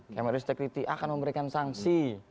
kameristikriti akan memberikan sanksi